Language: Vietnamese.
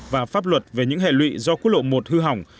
và pháp luật về những hệ lụy do quốc lộ một hư hỏng